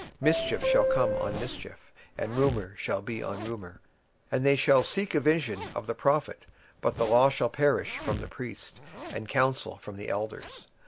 26:007:026 Mischief shall come upon mischief, and rumour shall be upon rumour; then shall they seek a vision of the prophet; but the law shall perish from the priest, and counsel from the ancients.